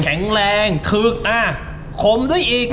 แข็งแรงทึกอ่ะขมด้วยอีก